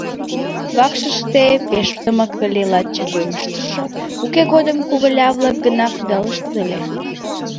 Вакшыште пеш тымык ыле, лачак йоҥыштышо уке годым куголя-влак гына кудалыштыт ыле.